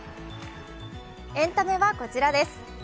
エンタメはこちらです。